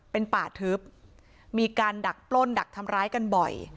เป็นป่าทึบมีการดักปล้นดักทำร้ายกันบ่อย